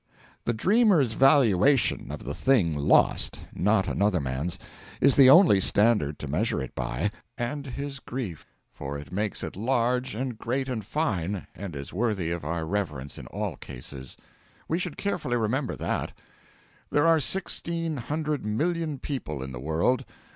The dreamer's valuation of the thing lost not another man's is the only standard to measure it by, and his grief for it makes it large and great and fine, and is worthy of our reverence in all cases. We should carefully remember that. There are sixteen hundred million people in the world.